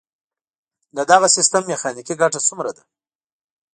د دغه سیستم میخانیکي ګټه څومره ده؟